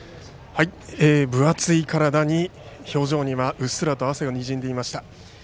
分厚い体に、表情にはうっすらと汗がにじんでいました。